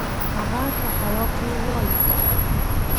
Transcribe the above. هغه په هوا کې والوت.